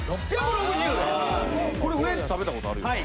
これウエンツ食べたことあるよな。